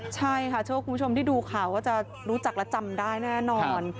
ใช่ค่ะเชื่อว่าคุณผู้ชมที่ดูข่าวก็จะรู้จักและจำได้แน่นอน